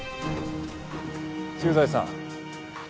駐在さん。